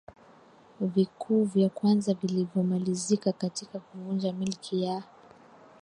vikuu vya kwanza vilivyomalizika kwa kuvunja Milki ya